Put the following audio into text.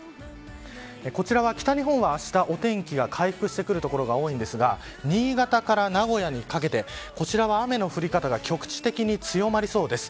こちらは北日本は、あしたは天気が回復してくる所が多いですが新潟から名古屋にかけてこちらは雨の降り方が局地的に強まりそうです。